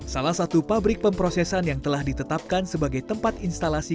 salah satu pabrik pemprosesan yang telah ditetapkan sebagai tempat instalasi